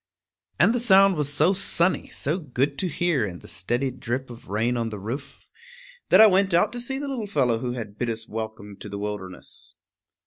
_ And the sound was so sunny, so good to hear in the steady drip of rain on the roof, that I went out to see the little fellow who had bid us welcome to the wilderness.